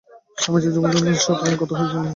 স্বামীজী যোগানন্দ-স্বামীর সহিত তখন কথা কহিতেছিলেন।